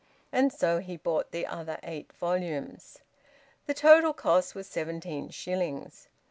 And so he bought the other eight volumes. The total cost was seventeen shillings.